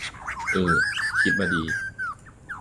อือ คิดมาดี